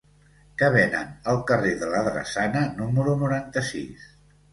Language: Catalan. Què venen al carrer de la Drassana número noranta-sis?